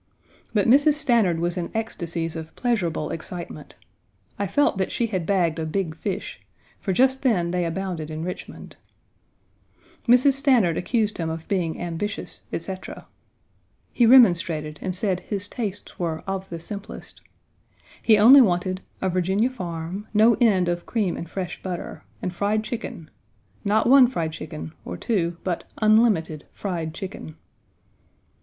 But Mrs. Stanard was in ecstasies of pleasurable excitement. I felt that she had bagged a big fish, for just then they abounded in Richmond. Mrs. Stanard accused him of being ambitious, etc. He remonstrated and said his tastes were "of the simplest." He only wanted "a Virginia farm, no end of cream and fresh butter and fried chicken not one fried chicken, or two, but unlimited fried chicken."